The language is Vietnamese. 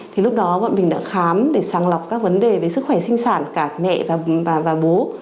thì lúc đó bọn mình đã khám để sàng lọc các vấn đề về sức khỏe sinh sản cả mẹ và bố